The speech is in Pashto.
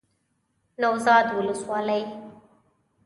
نوزاد ولسوالۍ